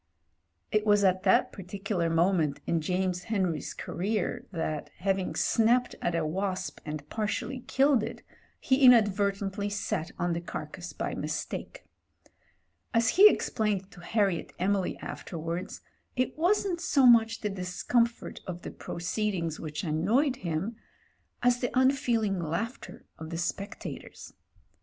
It was at that particular moment in James Henry's career that, having snapped at a wasp and partially killed it, he inadvertently sat on the carcase by mis take. As he explained to Harriet Emily afterwards, it wasn't so much the discomfort of the proceeding which annoyed him, as the unfeeling laughter of the spectators.